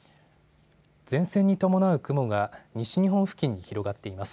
前線に伴う雲が西日本付近に広がっています。